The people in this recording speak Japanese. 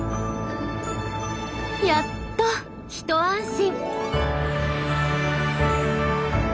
やっと一安心。